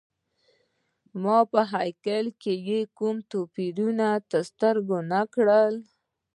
ما په هیکل کي یې کوم توپیر تر سترګو نه کړ.